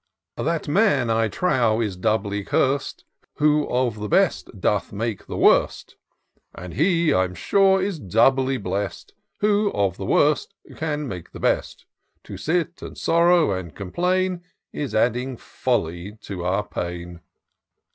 " That man, I trow, is doubly curst. Who of the best doth make the worst ; And he, I'm sure, is doubly blest, Who of the worst can make the best : To sit and sorrow and complain, Is adding folly to our pain.